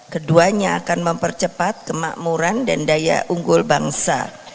keduanya akan mempercepat kemakmuran dan daya unggul bangsa